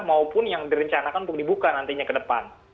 maupun yang direncanakan untuk dibuka nantinya ke depan